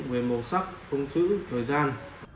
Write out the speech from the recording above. về màu sắc phông chữ thời gian